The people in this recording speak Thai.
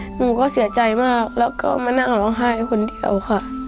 หนูก็เสียใจมากแล้วก็มานั่งร้องไห้คนเดียวค่ะ